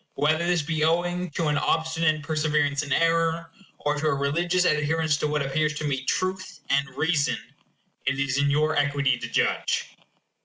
Whether this be owing to an obstinate perseverance in error, or to a religious adherence to what appears to me truth, and reason, it is in your equity to judge.